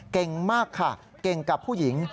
เก่งมากค่ะเก่งกับผู้หญิง